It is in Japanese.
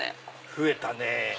増えたね！